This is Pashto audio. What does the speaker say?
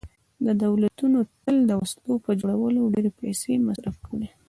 دولتونو تل د وسلو په جوړولو ډېرې پیسې مصرف کړي